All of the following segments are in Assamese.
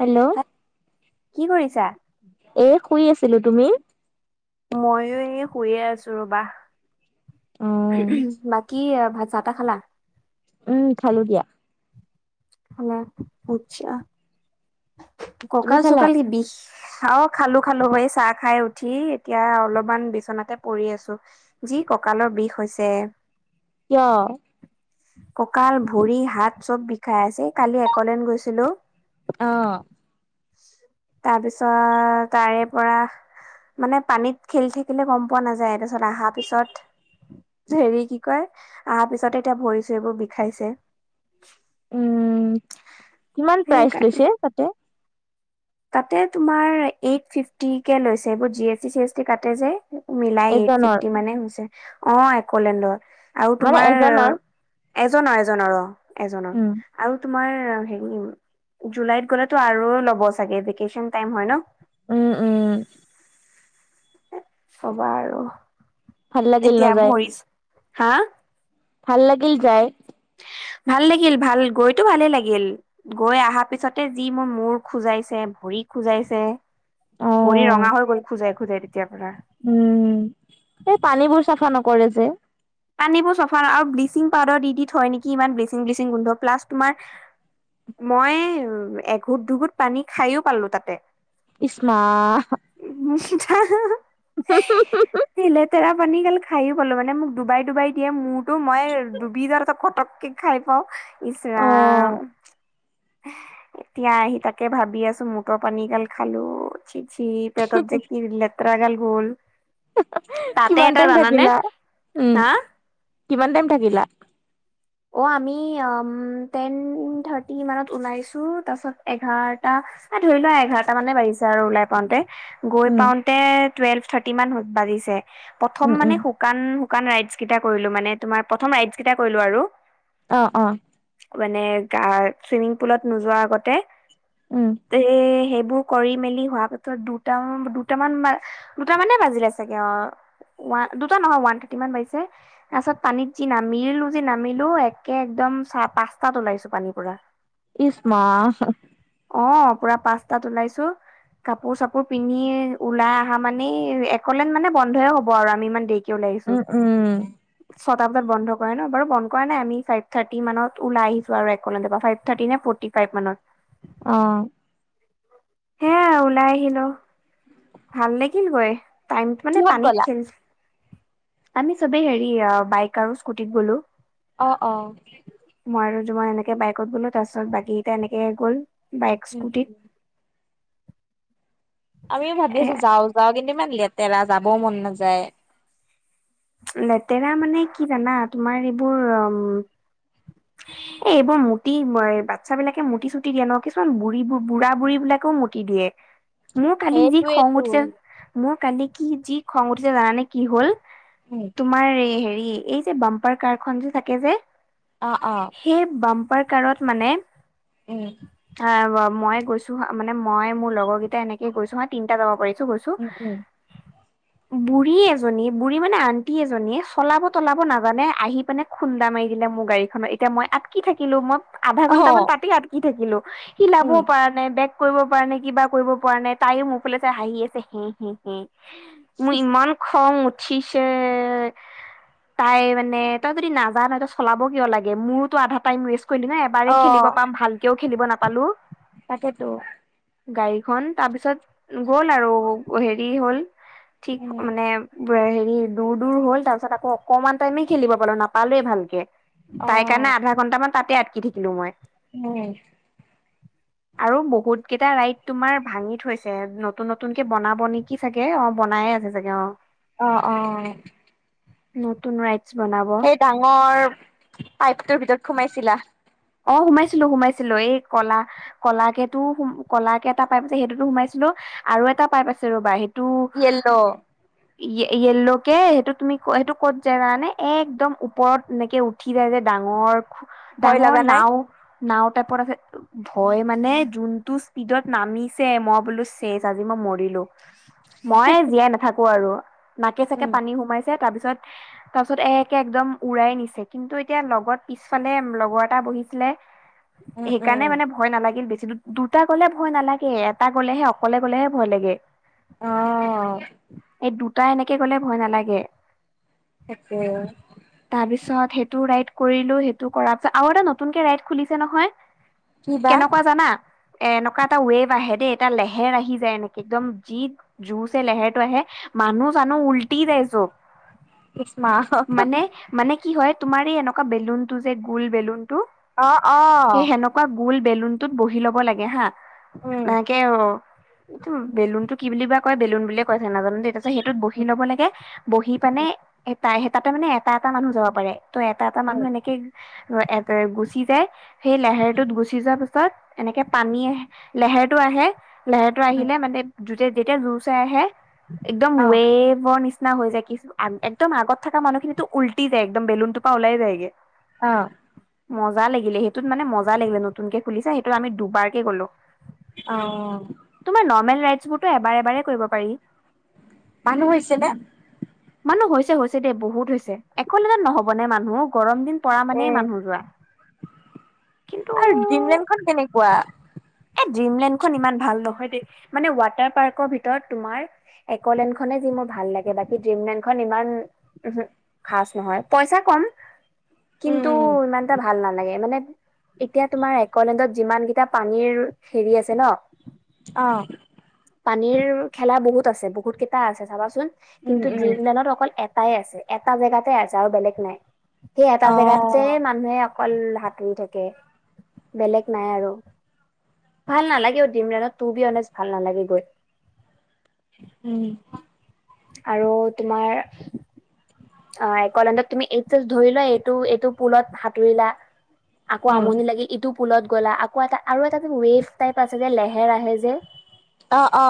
হেল্ল' হা কি কৰিছা। এ শুই আছিলো তুমি। ময়ো এই শুয়ে আছো ৰবা বাকী ভাত চাটা খালা উম খালো দিয়া হ পুছা তুমি ককাল খালা? চকাল কি বিষ অ খালো খালো হ চাহ খাই উঠি এতিয়া অলপমান বিচনাতে পৰি আছো যি কঁকালৰ বিষ হৈছে কিয়? কঁকাল ভৰি হাত চব বিষাই আছে কালি একলেন গৈছিলোঁ তাৰপিছত তাৰে পৰা। মানে পানীত খেলি থাকিলে গম পোৱা নাযায় তাৰপিছত অহা পিছত। হেৰি কি কয় অহাৰ পিছতে এতিয়া ভৰি চৰিবোৰ বিষাইছে উম কিমান প্ৰাইজ সেইকাৰণে। লৈছে তাতে তাতে তোমাৰ এইট ফিফটি কেে লৈছে এইবোৰ G S T C S T কাতে যে মিলাই এইট এজনৰ ফিফটি মানে হৈছে অ এককোলেণ্ডৰ আৰু মানে তোমাৰ এজনৰ? এজনৰ এজনৰ অ এজনৰ উম আৰু তোমাৰ হেৰি জুলাইত গ'লেতো আৰু ল'ব চাগে ভেকেচন টাইম হয় ন উম, উম। হবা আৰু ভাল লাগিল এতিয়া নযায় ভৰিছ, হা। ভাল লাগিল যায়। ভাল লাগিল ভাল, গৈতো ভালে লাগিল, গৈ অহা পিছতে যি মোৰ মূৰ খোজাইছে। ভৰি খোজাইছে। অ ভৰি ৰঙা হৈ গল খোজাই-খোজাই তেতিয়াৰ পৰা। কৰে যে। পানীবোৰ চফা আৰু ব্লিচিং পাউদাৰ দি দি থয় নেকি, ইমান ব্লিচিং-ব্লিচিং গোন্ধ, প্লাছ তোমাৰ মই এঘোট-দুঘোট পানী খাইও পালো তাতে। ইছমা লেতেৰা পানী কালি খাই গলো মানে মোক ডুবাই-ডুবাই দিয়ে মূৰটো, মই ডুবি যওঁ কটককে খাই পাওঁ। ইছ অ ৰাম। এতিয়া আহি তাকে ভাবি আছো মটৰ পানী গাল খালো চি পেটত যে কি লেতেৰা গাল গ'ল। তাতে কিমান এটা টাইম জানানে থাকিলা? উম, হা কিমান টাইম থাকিলা? অ, আমি আম টেন থাৰ্টি মানত ওলাইছো, তাৰপিছত এঘাৰটা এ ধৰি লোৱা এঘাৰটা মানে বাঢ়িছে আৰু ওলাই পাওঁতে। গৈ উম পাওতে টুৱেলভ থাৰ্টি মান বাজিছে, উম প্ৰথম উম মানে শুকান দোকান ৰাইডছ কেইটা কৰিলো মানে তোমাৰ প্ৰথম ৰাইডছ কেইটা কৰিলো আৰু অ', অ'। মানে গা চুইমিং পুলত নোযোৱা আগতে উম স সেই বোৰ কৰি মেলি হোৱা পিছত দুট দুটামান দুটামানে বাজিলে চাগে অ'। ও দুটা নহয় ওৱান থাৰ্টি মান বাজিছে তাৰপিছত পানীত যি নামিলো ন আামিলো একে একদম চাহ পাঁচটাত ওলাইছো পানীৰ পৰা। ইচ্মা [unintelligible] অ', পুৰা পাঁচতাত ওলাইছো কাপোৰ-চাপোৰ পিন্ধি ওলাই অহা মানে একলেন মানে বন্ধয়ে হব আৰু আমি ইমান দে উম, উম। ছটা বজাত বন্ধ কৰে ন বাৰু বন নাই আমি ফাইভ থাৰ্টি মানত ওলাই আহিছো আৰু একলেণ্ডৰ পৰা, ফাইভ থাৰ্টি নে ফৰ্টি ফাইভ মানত। আহ। হে ওলাই আহিলো ভাল দেখিন কয়। টাইম মানে কিহত পানীত গ'লা? চেঞ্জ আমি চবেই হেৰি বাইক আৰু স্কুটিত গলো। অ, অ। মই আৰু জোঁৱাই এনেকে বাইকত গ'লো, তাৰ পিছত বাকীকেইটা এনেকে গ'ল উম, বাইক-স্কুটিত। আমিও ভাবি এ আছো যাওঁ-যাওঁ, কিন্তু ইমান লেতেৰা যাবও মন নাযায়। লেতেৰা মানে কি জানা, তোমাৰ এইবোৰ উ এ এইবোৰ মুতি বাচ্ছা বিলাকে মুটি চুটি দিয়া ন' কিছুমান বুঢ়ী বুঢ়া বুঢ়ী বিলাক মতি দিয়ে। মোৰ কালি যি খং সেইটোৱেটো। উঠিছে, মোৰ কালি কি যি খং উঠিছে, জানানে কি হল? উম, তোমাৰ এই হেৰি এই যে বাম্পাৰ কাৰখন যে থাকে যে, অ', অ', সেই বাম কাৰত মানে। উম। আহ মই গৈছো হ, মানে মই মোৰ লগৰকেইটা এনেকে গৈছো হা, তিনিটা যাব পা কৈছো উম, উম, বুঢ়ী এজনী বুঢ়ী মানে আন এজনীয়ে চলাব-তলাব নাজানে, আহি পেনে খুন্দা মাৰি দিলে মোৰ গাড়ীখন, এতিয়া মই আটকি থাকিলো মই আধা ঘন্টামান অ', পাতি আটকি থাকিলো উম, হিলাবও পৰা নাই বেগ কৰিব পৰা নাই, কিবা কৰিব পৰা নাই, তাইও মোৰ ফালে চাই হাঁহি আছে, হে হে হে। মোৰ ইমান খং উঠিছে তাই মানে তই য নাজানহ ত চলাব কিয় লাগে মোৰোতো আধা টাইম ৰে কলি ন এবাৰেই খেলিব অ', পাম ভালকেও খেলিব নাপালো। তাকেতো গাড়ীখন তাৰপিছত গ'ল আৰু হেৰি হ'ল ঠিক উম, মানে হেৰি দূৰ দূৰ হ'ল তাৰ পিছত আকৌ অকণমান টাইমে খেলিব পালো নাপালোৱে ভালকে তাই অ', কাৰণে আধা ঘণ্টামান তাতে আটকি থাকিলো মই উম, [inaudible] আৰু বহুত কেইটা ৰাইত তোমাৰ ভাঙি থৈছে নতুন নতুন কেে বনাবন কি চাগে অ বনাই আছে চাগে অ অ- অ নতুন ৰাই সেই ডাঙৰ পাইপটোৰ ভিতৰত সোমাইছিলা অ সোমাইছিলো সোমাইছিলো এই কলা কলাকেত তোম কল কেে এটা পাই পছে সেইটোতো সোমাইছিলো আৰু এটা পাই প আছে ৰ'বা সি। ইয়েলো য় য়্লকে সেইটো তুমি ক সেইটো ক'ত যায় জানে একদম ওপৰত এনেকে উঠি যায় যে দ ডাঙৰ ভয় ডাঙৰ লগা নাই? নাও। নাও টাইপত আছে ভয় মানে যোনটো স্পীডত নামিছে মই বোলো চেজ আজি মই মৰিলো মই জীয়াই নাথাকো আৰু নাকে চাকে উম, পানী সোমাইছে তাৰ পিছত তাৰ পিছত একে একদম উৰাই নিছে কিন্তু এতিয়া লগত পিছফালে লগত বহিছিলে উম, সেইকাৰণে উম, মানে ভয় নালাগিল বেছি দুটা গ'লে ভয় নালাগে এটা গলেহে অকলে গলেহে ভয় লাগে অ এই দুটা এনেকে গলে ভয় নালাগে তাকে তাৰপিছত সেই টো ৰাই কৰিলো সেইটো কৰাৰ পিছত আৰু এটা নতুন কেে ৰাই খুলিছে নহয় কি বা কেনেকুৱা জানা এ এনেকুৱা এটা ৱেভ আহে দেই এটা লেহেৰ আহি যায় এনেকে একদম যি জুে লেৰটো আহে মানুহ চানুহ উলটি যায় অ উষ্্মা কি হয় তুমাৰ এই এনেকুৱা বেলুতটো যে গোল বেলুন অ অ বেলুনতত বহি ল'ব লাগে হা উম, নাকে অ এইটো বেলুনতটো কি বুলিিব কয় বেলুনুলিয়ে কৈছো নাজানো দেেই তাৰপাছত সেইটোত বহি উম, লব লাগে বহি পাননে উম, তাতে মানে এটা এটা মানুহ যাব পাৰে ত এটা এটা উম, মানুহ এনেকে এ গুচি যায় সেই লোহেৰটোত গুচি যোৱা পাছত পিছত এনেকে পানী আহে লেেৰটো আহে লেহেৰটো উম, আহিলে মানে যেতিয়া জোৰ চাই আহে একদম অ', ৱে বৰ নিচনা নিচনা হৈ যায় কি একদম আগত থকা মানুহখিনিতো উলটি যায় একদম বেলুনটোৰ পৰা ওলাই যায়গে অ মজা লাগিলে সেইটোত মানে মজা লাগিলে নতুনকে খুলিছো সেইটোত আমি দুবাৰকে গ'লো অ োৰতো এবাৰে এবাৰে কৰিব পাৰি মানুহ হৈছে নে মানহ হৈছে হৈছে দেেই বহুত হৈছে এককলজনন নহবনেে মানুহ গৰম দিন পৰা মানে ম উম। নোযোৱা কিন্তু আৰু ড্ৰিমলেণ্ডখন কেনেকুৱা? ডিমলেণ্ড খন ইমান ভাল নহয় দেই মানে ৱাটাৰ পাৰ্কৰ ভিতৰত তোমাৰ একলেণ্ড খনে যি ভাল লাগে বাকী ডিম নাইনখন ইমান খচ নহয় পইচা কম কিন্তু উম, ইমান এটা ভাল নালাগে মানে এতিয়া তোমাৰ একলেণ্ডত যিমান কেইটা পানীৰ হেৰি আছে ন অ। পানীৰ খেলা বহুত আছে, বহুত কেইটা আছে চাবাচোন। উম, কিন্তু উম, ড্ৰিম লনত অকল এটাই আছে এটা জেগাতে আছে আৰু বেলেগ নাই সেই এটা অ। জেগাত। যে মানুহে অকল হাতুৰি থাকে বেলেগ নাই আৰু ভাল নালাগে অ' ড্ৰিমলেণ্ডত তোৰ বি অনেষ্ট ভাল নালাগে গৈ। উম, আৰু তোমাৰ, অ' একলেডত তুমি এইচ ধৰি লোৱা এইটো এইটো পুলত সাঁতুৰিলা। আকৌ উম, আমনি লাগে এইটো পুলত গ'লা আকৌ এটা আৰু এটা ৱেভ টাইপ আছে যে লেহেৰ আহে যে। অ-অ,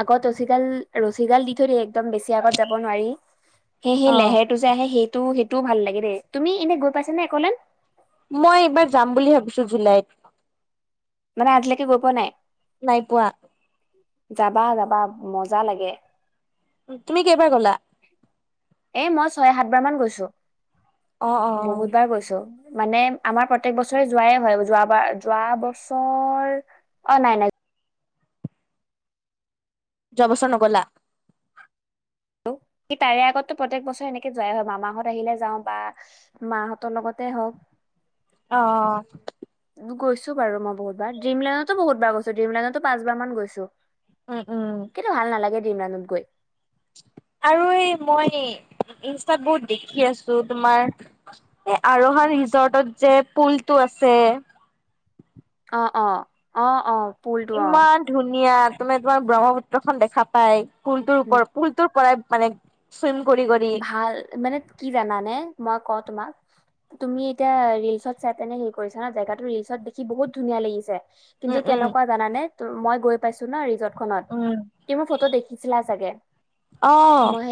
আগত ৰছী গাল ৰছী গাল দি থৈ দ একদম বেছি আগত যাব নোৱাৰি। অ। সেই-সেইলেৰটো যে আহে সেইটো সেইটোও ভাল লাগে দেই তুমি এনেই গৈ পাইছা নে একলেণ্ড। মই এইবাৰ যাম বুলি ভাবিছো জুলাইত মানে আজলৈকে গৈ পোৱা নাই। নাই পোৱা। যাবা যাবা মজা লাগে তুমি কেইবাৰ গলা এ মই ছয় সাতবাৰ মান গৈছো অ, অ, বহুতবাৰ গৈছো। মানে আমাৰ প্ৰত্যেক বছৰে যোৱাই হয় যোৱ বাৰ যোৱা বছ চৰ অ' নাই-নাই। যোৱা বচৰ নগলা। তাৰে আগতো প্ৰতেক বছৰে এনেকে যোৱাই হয় মামাহত আহিলে যাও বা মাহঁতৰ লগতে হওঁক। উ [inaudible] আহ গৈছো বাৰু মই বহুতাৰ ডিমলেডতো বহুবাৰ গৈছো ড্ৰিমলেণ্ডতো পচবাৰ মান গৈছো। উম উম কিন্তু ভাল নালাগে ড্ৰিমলেণ্ডত গৈ। আৰু এই মই বু দেখি আছো তোমাৰ এই আৰহান ৰিজৰ্টত যে পুলতটো আছে। [unintelligible] অ অ অ অ পুলটো অ ইমান ধুনীয়া তুমি তোমাৰ ব্ৰহ্মপুত্ৰ খন দেখা পাই। ফুলটোৰ ওপৰত ফুলটোৰ পৰাই মানে চুইম কৰি কৰি ভাল মানে কি জানানে মই কত তোমাক তুমি এতিয়া ৰিলচত চাই তেনে হেৰি কৰিছা ন জেগাতো ৰিলচত দেখি বহুত ধুনীয়া লাগিছে। কিন্তু উম উম কেনেকুৱা জানানে ত মই গৈ পাইছো ন ৰিজৰ্ট খনত উম, ত মোৰ ফটো দেখিছিলা। চাগে অ', মই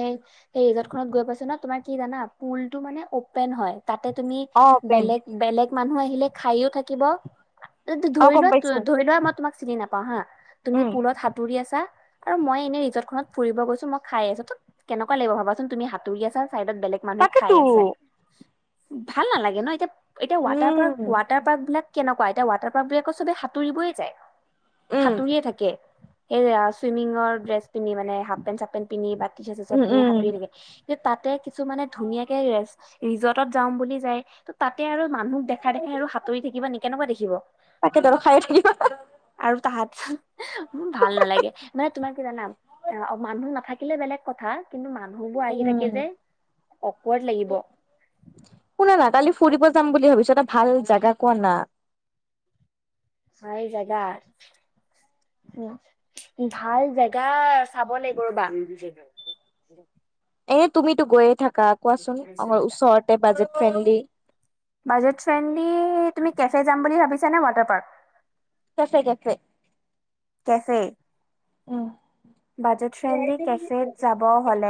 হেই এই ৰিজৰ্ট খত গৈ পাইছো ন তুমাৰ কি জানা পুল টো মানে অপেন হয়। তাতে তুমি অ', পেন বেলেগ-বেলেগ মানুহ আহিলে খাইও থাকিব। অ', ধৰি গম লোৱা পাইছো ধৰি লোৱা মই তুমাক চিনি নাপাও হা তুমি উম। পুলত সাঁতুৰি আছা আৰু মই এনেই ৰিজৰ্টখনত ফুৰিব গৈছো মই খাই আছো ত কেনেকুৱা লাগিব ভাবাচোন তুমি হাতুৰি আ চা চাইডত বেলেগ মানুহে তাকেতো খাই আছে ভাল নালাগে ন এতিয়া এতিয়া উম, ৱাটাৰ পাৰ্ক ৱাটাৰ পাৰ্ক বিলাক কেনেকুৱা এতিয়া ৱাটাৰ পাৰ্ক বিলাকক চবে সাঁতুৰিবয়ে যায়। উম, সাঁতুৰিয়ে থাকে সেই চুইমিংৰ ড্ৰেছ পন্ধি মানে হাফ পেণ্ট চাপপেণ্ট পিন্ধি বা এনে উম, উম, সাঁতুৰি থাকে। যে তাতে কিছুমানানে ধুনীয়াকে ৰিজৰ্টত যাওঁ বুলি যায় ত' তাতে আৰু মানুহক দেখাই দেখাই আৰু সাঁতুৰি থাকিবা ন কেনেকুৱা দেখিব তাকেতো আৰু খায়ে থাকিবা। আৰু তাহাত মোৰ ভাল নালাগে মানে তোমাৰ কি জানাম মানুহ নাথাকিলে বেলেগ কথা। কিন্তু মানুহবোৰ আহি থাকে উম, যে অকড লাগিব। শুনা না কালি ফুৰিব যাম বুলি ভাবিছো এটা ভাল জাগা কোৱা না হয় এই জাগা ভাল জেগা চাব লাগিব ৰবা উ, এনে তুমিতো গৈয়ে থাকা কোৱাচোন আমাৰ ওচৰতে বাজেট ফ্ৰেণ্ডলি বাজেট ফ্ৰেণ্ডলি তুমি কেফে যাম বুলি ভাবিছা নে water park cafe - cafe cafe. উম। বাজেট ফ্ৰেন্ডলী কেফেত যাব হলে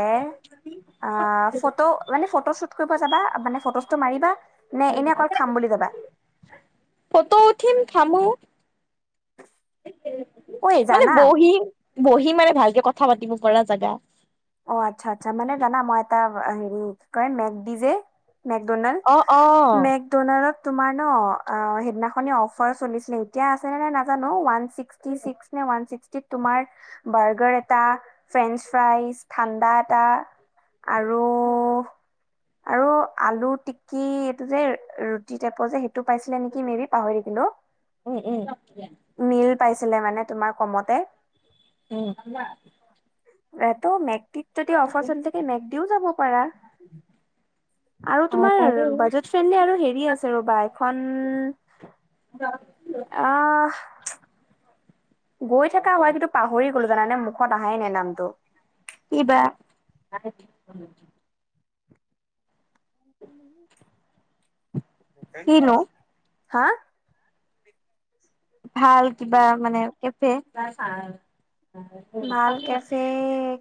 আ ফটো মানে ফ ফটো শ্বুট কৰিব যাবা মানে ফটোজটো মাৰিবা নে এনে অকল খাম বুলি যাবা ফটো উঠিম থামু ঐ মানে জানা বহি, বহি মানে ভালকে কথা পাতিব পৰা জেগা। অ আচ্ছা-আচ্ছা মানে জানা মই এটা হেৰি, কি কয় মেকডিজে। মেকডোনাল্ড অ', অ', মেকডোনাল্ডত তোমাৰ ন সেইদিনা খনে অফাৰ চলিছিলে, এতিয়া আছেনে নাই নাজানো [inaudible] ঠাণ্ডা এটা আৰু হ আৰু আলু টিক্কি এইটো যে ৰুটি টাইপৰ যে সেই টো পাইছিলে নেকি মেইবি পাহৰি দিলো। উম, উম, মিল পাইছিলে মানে তোমাৰ কমতে উ, এ ত মেগটিত যদি অফাৰ চলি থাকে মেগ দিও যাব পাৰা আৰু অ তোমাৰ পাৰি বাজেট ফ্ৰেণ্ডলি আৰু হেৰি আছে ৰ'বা এখন। অহ গৈ থকা হয় কিন্তু পাহৰি গলো জানানে মুখত আহাই নে নামটো। কি বা [inaudible] কিনো হা? ভাল কিবা মানে কেফে ভাল কেফে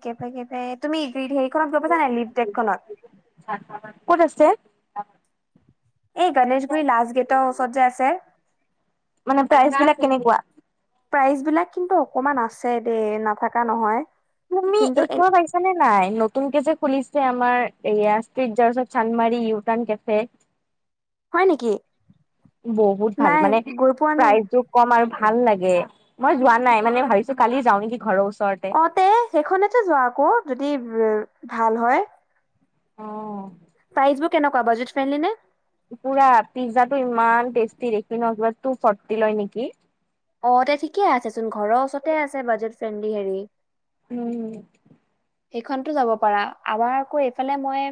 কেব কে তুমি। সেই খনত গৈ পাইছানে নাই লিপ ডেকখননক ক'ত আছে। এই গনেশগুৰি লাষ্ট গেটৰ ওচৰত যে আছে। মানে প্ৰাইচ বিলাক কেনেকুৱা প্ৰাইজ বিলাক কিন্তু অকমান আছে দেই নাথকা নহয়। তুমি কিন্তু এ এইখন পাৰিছা নে নাই নতুন কে খুলিছে আাৰ এই জ চানমাৰী ইউ টাৰ্ণ কেফে হয় নেকি? বহুত ভাল নাই মানে গৈ পোৱা নাই প্ৰাইজটো কম আৰু ভাল লাগে মই যোৱা নাই মানে ভাবিছো কালি যাওঁ নেকি ঘৰৰ ওচৰত। অ, তে সেইখনতে যোৱা আকৌ যদি ভাল হয়। অ' প্ৰাইজ বুক কেনে কুৱ বজেট ফ্ৰেণ্ডি নে পুৰা পিজ্জাটো ইমান টেষ্টি দেখি ন কিবা টু ফৰ্টি লয় নেকি অ তে ঠিকে আছেচোন, ঘৰৰ ওচৰতে আছে বাজেট ফ্ৰেণ্ডলি হেৰি। উম, সেইখনতো যাব পাৰা আমাৰ আকৌ এইফালে মই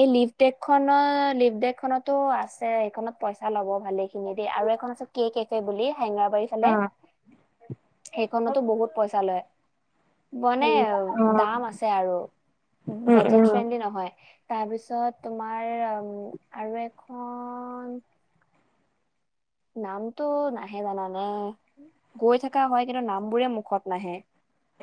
এই লিপ ডেকখনো লিপ ডেখনতো আছে, এইখনত পইচা ল'ব। ভালেখিনি দেই আৰু এখন আছে কে কেফে বুলি। হেঙৰাবাৰী ফালে, অ সেইখনতো বহুত পইচা লয়। বনে আৰু দাম আছে আৰু উম বাজেট উম ফ্ৰেণ্ডলি নহয়। তাৰ পিছত তোমাৰ উ আৰু এখন। নামটো নাহে জানানে। গৈ থকা হয়। কিন্তু নামবোৰে মুখত নাহে।